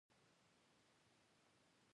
حشرات شپږ پښې لري